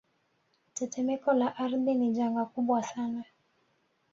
Tetemeko la ardhi ni janga kubwa sana